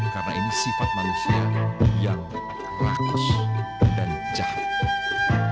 karena ini sifat manusia yang lakus dan jahat